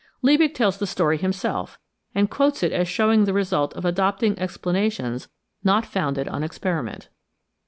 Liebig tells the story himself, and quotes it as showing the result of adopting explana tions not founded on experiment.